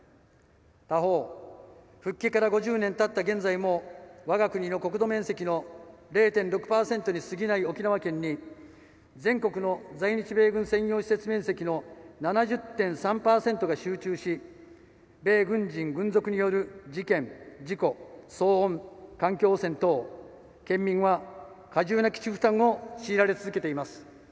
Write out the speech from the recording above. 他方、復帰から５０年たった現在も我が国の国土面積の０．６％に過ぎない沖縄県に全国の在日米軍専用施設面積の７０．３％が集中し米軍人・軍属による事件・事故、騒音、環境汚染等県民は過重な基地負担を強いられ続けています。